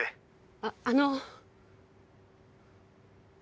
あっあの。